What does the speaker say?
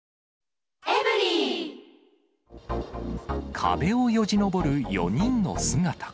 壁をよじ登る４人の姿。